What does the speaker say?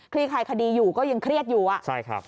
คลายคดีอยู่ก็ยังเครียดอยู่อ่ะใช่ครับ